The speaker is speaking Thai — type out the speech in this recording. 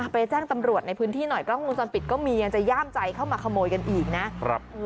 ไปแจ้งตำรวจในพื้นที่หน่อยก็แน่นเข้ามาขโมยกันอีกนะ